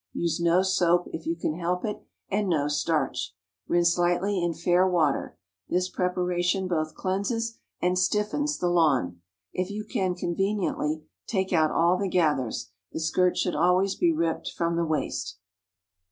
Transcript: Use no soap, if you can help it, and no starch. Rinse lightly in fair water. This preparation both cleanses and stiffens the lawn. If you can conveniently, take out all the gathers. The skirt should always be ripped from the waist.